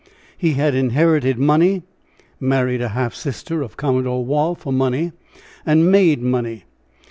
He had inherited money, married a half sister of Commodore Waugh for money, and made money.